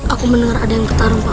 aku mendengar ada yang ketarung pak